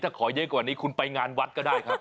ถ้าขอเยอะกว่านี้คุณไปงานวัดก็ได้ครับ